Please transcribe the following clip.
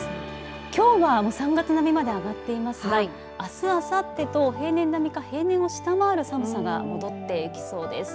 きょうは３月並みまで上がっていますがあす、あさってと平年並みか平年を下回る寒さが戻ってきそうです。